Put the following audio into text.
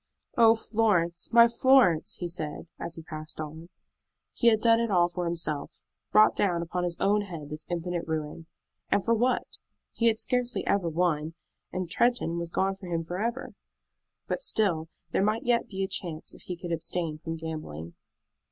"Oh, Florence, my Florence!" he said, as he passed on. He had done it all for himself, brought down upon his own head this infinite ruin, and for what? He had scarcely ever won, and Tretton was gone from him forever. But still there might yet be a chance if he could abstain from gambling.